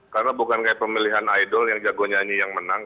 karena bukan seperti pemilihan idol yang jago nyanyi yang menang